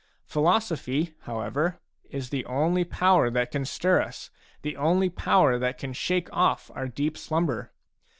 Philosophy, however, is the only power that can stir us, the only power that can shake off our deep slumber.